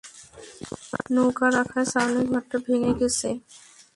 নৌকা রাখার ছাউনিঘরটা ভেঙে গেছে!